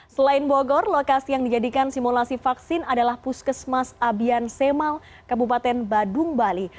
selain bogor lokasi yang dijadikan simulasi vaksin adalah puskesmas abian semal kabupaten badung bali